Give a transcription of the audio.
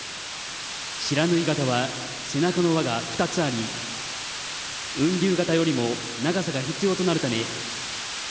不知火型は背中の輪が２つあり雲龍型よりも長さが必要となるため綱の長さは約６ｍ。